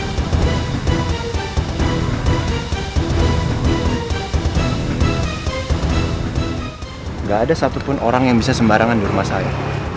tidak ada satupun orang yang bisa sembarangan di rumah saya